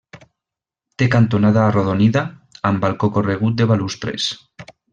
Té cantonada arrodonida, amb balcó corregut de balustres.